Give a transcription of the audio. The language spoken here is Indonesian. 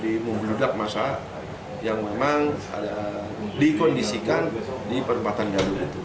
di membeludak masa yang memang dikondisikan di perempatan gadung itu